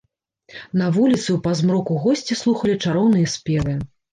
На вуліцы, у паўзмроку госці слухалі чароўныя спевы.